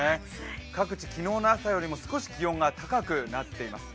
各地、昨日の朝よりも少し気温が高くなっています。